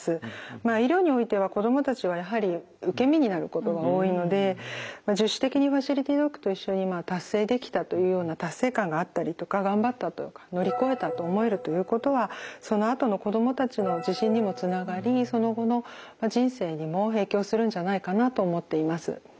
まあ医療においては子供たちはやはり受け身になることが多いので自主的にファシリティドッグと一緒に達成できたというような達成感があったりとか頑張ったとか乗り越えたと思えるということはそのあとの子供たちの自信にもつながりその後の人生にも影響するんじゃないかなと思っています。